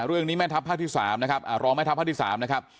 แม่ทัพภาคที่๓นะครับรองแม่ทัพภาคที่๓นะครับ